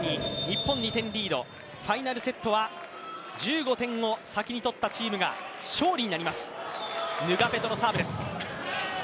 ファイナルセットは１５点を先に取ったチームが勝利となります。